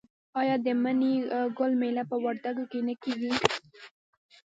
آیا د مڼې ګل میله په وردګو کې نه کیږي؟